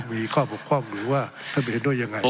มีข้อบกว่าทำไมเห็นด้วยอย่างไร